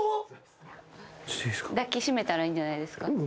抱き締めたらいいんじゃないですか？